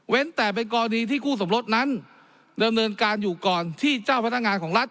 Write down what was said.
เว้นแต่เป็นกรณีที่คู่สมรสนั้นเริ่มเริ่มการอยู่ก่อนที่เจ้าพัฒนางานของรัฐ